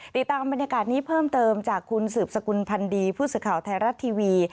ติดตามบรรยากาศนี้เพิ่มเติมจากคุณสืบสกุลพันธ์ดีผู้สื่อข่าวไทยรัฐทีวี